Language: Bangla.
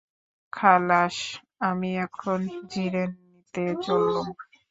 খালাস! আমি এখন জিরেন নিতে চললুম।